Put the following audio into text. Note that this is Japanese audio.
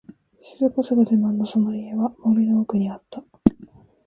静かさが自慢のその家は、森の奥にあった。